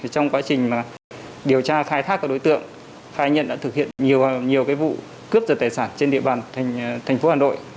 trong quá trình điều tra khai thác các đối tượng khai nhận đã thực hiện nhiều vụ cướp giật tài sản trên địa bàn thành phố hà nội